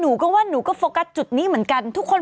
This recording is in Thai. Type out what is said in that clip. กูว่าหนูชอบนะนี่หนูชอบนะนี่